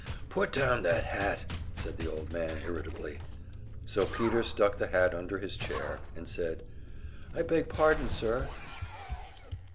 "Put down that hat," said the old man, irritably. So Peter stuck the hat under his chair, and said: "I beg pardon, sir."